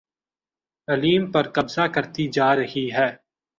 علیم پر قبضہ کرتی جا رہی ہے